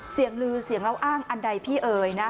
เสียงลือเสียงเล่าอ้างอันใดพี่เอ๋ยนะ